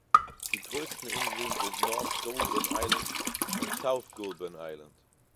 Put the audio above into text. Die größten Inseln sind North Goulburn Island und South Goulburn Island.